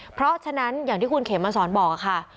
เพราะฉะนั้นอย่างที่คุณเขมมาสอนบอกค่ะ